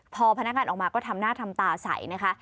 พอพนักงานออกมาก็ทำหน้าทำตาใสนะคะ